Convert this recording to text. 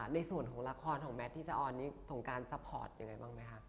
ในส่วนของละครแมทที่สนของการซับพอร์ตอย่างไรบ้างไหมคะ